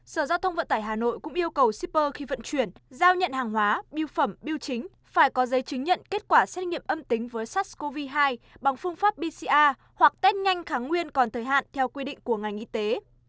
sở giao thông vận tải hà nội cũng yêu cầu shipper khi vận chuyển giao nhận hàng hóa biêu phẩm biêu chính phải có giấy chứng nhận kết quả xét nghiệm âm tính với sars cov hai bằng phương pháp bca hoặc test nhanh kháng nguyên còn thời hạn theo quy định của ngành y tế